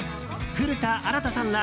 古田新太さんら